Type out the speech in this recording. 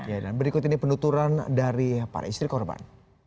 ya dan berikut ini penuturan dari para istri korban